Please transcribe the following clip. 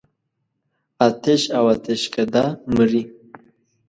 آتش او آتشکده مري.